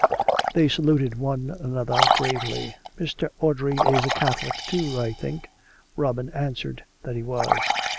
They saluted one aftother gravely. " Mr. Audrey is a Catholic, too, I think? " Robin answered that he was.